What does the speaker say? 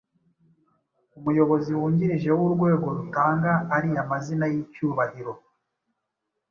umuyobozi wungirije w'urwego rutanga ariya mazina y'icyubahiro